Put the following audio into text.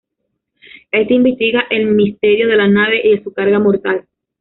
Éste investiga el misterio de la nave y de su carga mortal.